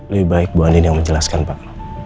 lebih baik bu aden yang menjelaskan pak